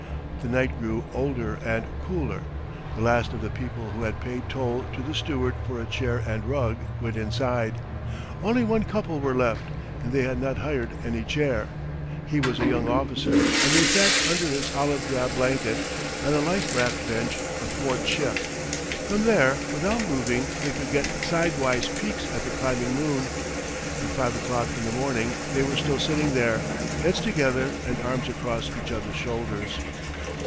The night grew older and cooler. The last of the people who had paid toll to the steward for a chair and rug went inside. Only one couple were left; and they had not hired any chair. He was a young officer, and they sat under his olive drab blanket, on a life raft bench athwartship. From there without moving they could get sidewise peeks at the climbing moon. At five o'clock in the morning they were still sitting there, heads together and arms across each other's shoulders.